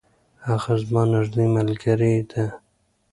هغه زما نږدې ملګرې ده.